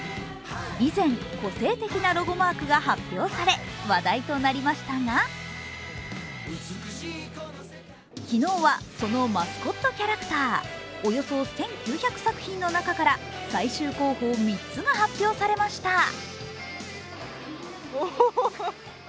以前、個性的なロゴマークが発表され話題となりましたが昨日はそのマスコットキャラクター、およそ１９００作品の中から最終候補３つが発表されました。